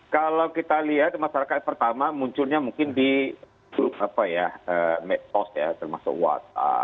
kalau kita lihat masyarakat pertama munculnya mungkin di apa ya metos ya termasuk whatsapp